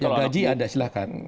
gaji ada silahkan